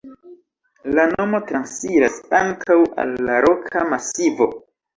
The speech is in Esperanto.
La nomo transiras ankaŭ al la roka masivo.